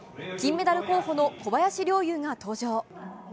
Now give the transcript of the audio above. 金メダル候補の小林陵侑が登場。